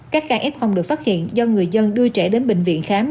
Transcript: các ca f được phát hiện do người dân đưa trẻ đến bệnh viện khám